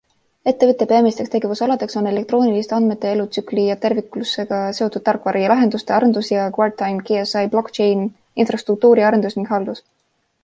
Ettevõtte peamisteks tegevusaladeks on elektrooniliste andmete elütsükli ja terviklusega seotud tarkvara ja lahenduste arendus ja Guardtime KSI blockchain infrastruktuuri arendus ning haldus.